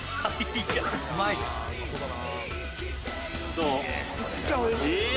どう？